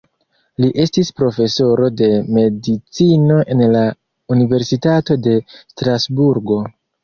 Li estis profesoro de medicino en la Universitato de Strasburgo.